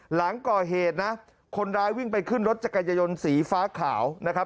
หลังก่อเหตุนะคนร้ายวิ่งไปขึ้นรถจักรยายนต์สีฟ้าขาวนะครับ